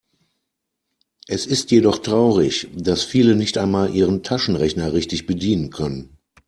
Es ist jedoch traurig, dass viele nicht einmal ihren Taschenrechner richtig bedienen können.